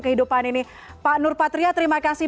kehidupan ini pak nur patria terima kasih